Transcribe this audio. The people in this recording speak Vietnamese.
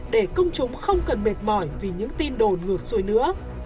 để công chúng không cần mệt mỏi vì những tin đồn ngược xuôi nữa